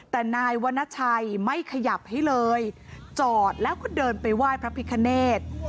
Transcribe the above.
แต่นายวรรณชัยไม่ขยับให้เลยจอดแล้วก็เดินไปไหว้พระพิคเนธ